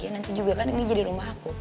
ya nanti juga kan ini jadi rumah aku